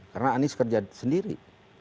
karena anies kerja sendiri